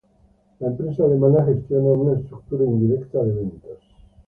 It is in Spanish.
La empresa alemana gestiona a una estructura indirecta de ventas.